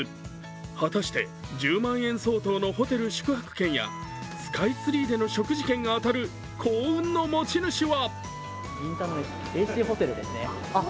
果たして１０万円相当のホテル宿泊券やスカイツリーでの食事券が当たる幸運の持ち主は？